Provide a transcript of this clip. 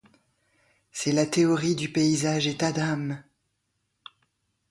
C'est la théorie du paysage-état d'âme.